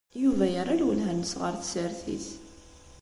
Yuba yerra lwelha-nnes ɣer tsertit.